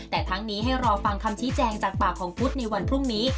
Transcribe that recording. แต่ทั้งนี้ให้รอฟังคำชี้แจงจากปากของพุทธในวันพรุ่งนี้